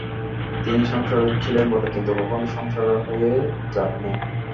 তিনি সংসারে ছিলেন বটে, কিন্তু কখনই সংসারের হয়ে যাননি।